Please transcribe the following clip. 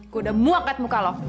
gue udah muak kat muka lo